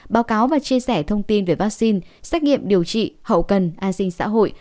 báo cáo và chia sẻ thông tin về vaccine xét nghiệm điều trị hậu cần an sinh xã hội